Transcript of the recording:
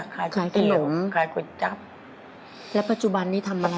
ขายก๋วยเตี๋ยวขายก๋วยจับแล้วปัจจุบันนี่ทำอะไรครับ